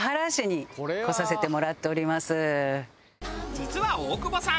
実は大久保さん